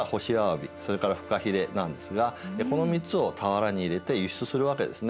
それからフカヒレなんですがこの３つを俵に入れて輸出するわけですね。